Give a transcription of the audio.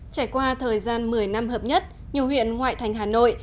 trải qua thời gian một mươi năm hợp nhất nhiều huyện ngoại thành hà nội